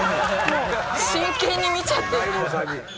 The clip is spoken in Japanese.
真剣に見ちゃった。